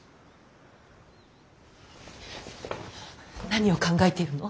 何を考えているの。